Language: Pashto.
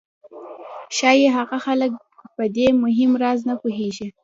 ښایي هغه خلک په دې مهم راز نه پوهېږي